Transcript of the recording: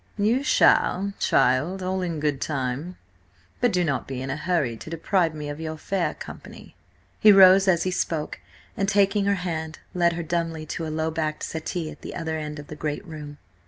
"You shall, child, all in good time. But do not be in a hurry to deprive me of your fair company." He rose as he spoke, and taking her hand, led her dumbly to a low backed settee at the other end of the great room.